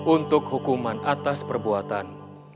untuk hukuman atas perbuatan